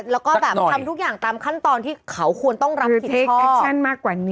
แล้วก็แบบทำทุกอย่างตามขั้นตอนที่เขาควรต้องรับผิดชอบ